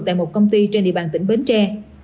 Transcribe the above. tại một công ty trên địa bàn tỉnh bến tre